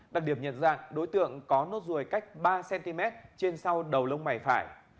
đặc điểm nhận ra đối tượng có nốt ruồi cách ba cm trên sau đầu lông mày phải